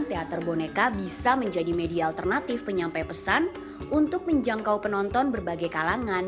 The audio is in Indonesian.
teater boneka bisa menjadi media alternatif penyampai pesan untuk menjangkau penonton berbagai kalangan